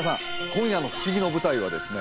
今夜のふしぎの舞台はですね